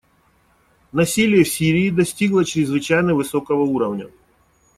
Насилие в Сирии достигло чрезвычайно высокого уровня.